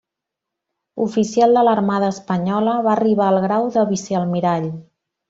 Oficial de l'Armada Espanyola, va arribar al grau de vicealmirall.